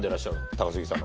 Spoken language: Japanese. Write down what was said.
高杉さん。